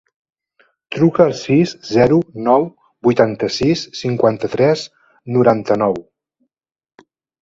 Truca al sis, zero, nou, vuitanta-sis, cinquanta-tres, noranta-nou.